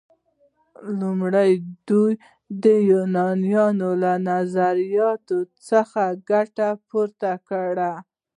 لومړی دوی د یونانیانو له نظریاتو څخه ګټه پورته کړه.